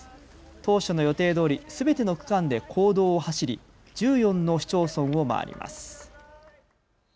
当初の予定どおりすべての区間で公道を走り１４の市町村を回ります。